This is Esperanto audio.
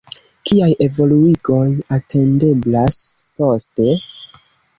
Kiaj evoluigoj atendeblas poste?